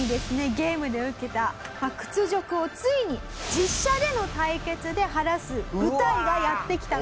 ゲームで受けた屈辱をついに実車での対決で晴らす舞台がやってきたと。